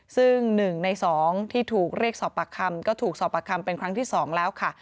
ซึ่ง๑ใน๒ที่ถูกเรียกสอบปากคำก็ถูกสอบปากคำเป็นครั้งที่๒แล้วค่ะ